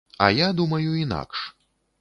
А я думаю інакш.